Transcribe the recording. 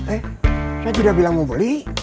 eh saya sudah bilang mau beli